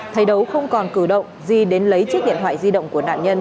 thấy đấu không còn cử động di đến lấy chiếc điện thoại di động của nạn nhân